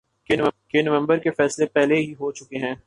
کہ نومبر کے فیصلے پہلے ہی ہو چکے ہیں۔